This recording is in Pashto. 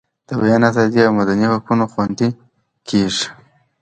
د بیان ازادي او مدني حقونه خوندي کیږي.